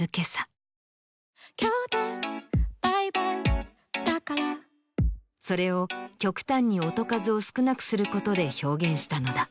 今日でバイバイだからそれを極端に音数を少なくすることで表現したのだ。